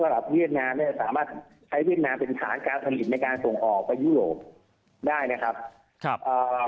เวียดนามเนี่ยสามารถใช้เวียดนามเป็นฐานการผลิตในการส่งออกไปยุโรปได้นะครับ